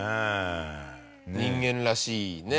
人間らしいね。